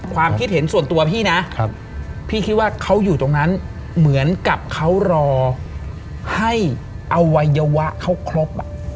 ความคิดเห็นส่วนตัวพี่นะพี่คิดว่าเขาอยู่ตรงนั้นเหมือนกับเขารอให้อวัยวะเขาครบ